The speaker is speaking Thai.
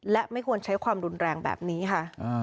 และไม่ควรใช้ความรุนแรงแบบนี้ค่ะ